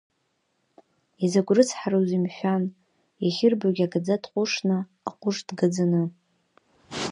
Изакә рыцҳароузеи, мшәан, иахьырбогь агаӡа дҟәышны, аҟәыш дгаӡаны!